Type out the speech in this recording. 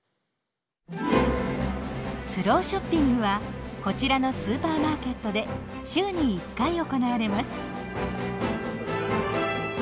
スローショッピングはこちらのスーパーマーケットで週に１回行われます。